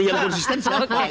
yang konsisten jokowi